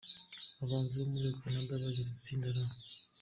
Abahanzi bo muri Canada bagize itsinda R.